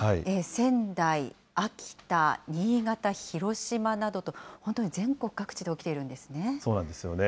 仙台、秋田、新潟、広島などと本当に全国各地で起きているんですね。